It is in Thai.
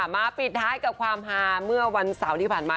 ปิดท้ายกับความฮาเมื่อวันเสาร์ที่ผ่านมา